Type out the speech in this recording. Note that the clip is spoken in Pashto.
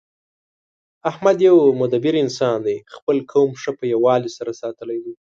احمد یو مدبر انسان دی. خپل قوم ښه په یووالي سره ساتلی دی